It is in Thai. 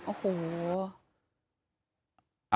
โอ้โห